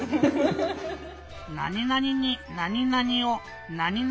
「なになに」に「なになに」を「なになに」する。